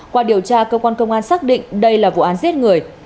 qua điều tra cơ quan công an xác định đây là vụ án giết người